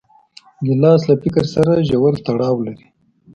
ګیلاس له فکر سره ژور تړاو لري.